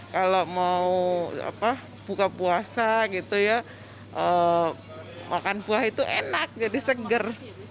kalau mau buka puasa gitu ya makan buah itu enak jadi seger